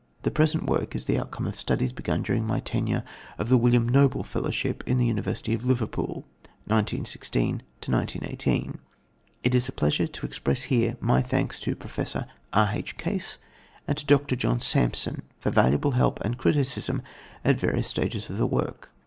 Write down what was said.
The present work is the outcome of studies begun during my tenure of the William Noble Fellowship in the University of Liverpool, 1916 18. It is a pleasure to express here my thanks to Professor R.H. Case and to Dr. John Sampson for valuable help and criticism at various stages of the work.